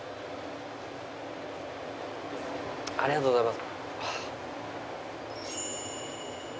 ありがとうございます。